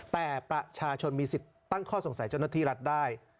แต่ประชาชนมีสิทธิ์ตั้งข้อสงสัยเจ้าหน้าที่รัฐได้